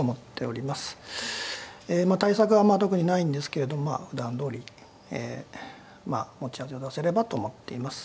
対策は特にないんですけれどまあふだんどおりまあ持ち味を出せればと思っています。